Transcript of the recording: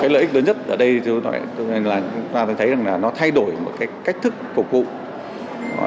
cái lợi ích lớn nhất ở đây là chúng ta thấy là nó thay đổi một cái cách thức phục vụ